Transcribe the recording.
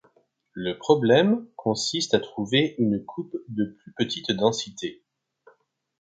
Le problème consiste à trouver une coupe de plus petite densité.